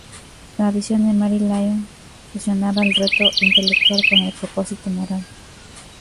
La visión de Mary Lyon fusionaba el reto intelectual con el propósito moral.